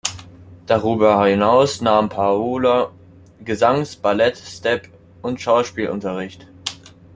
Darüber hinaus nahm Paola Gesangs-, Ballett-, Step- und Schauspielunterricht.